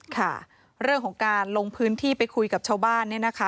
ค่ะเรื่องของการลงพื้นที่ไปคุยกับชาวบ้านเนี่ยนะคะ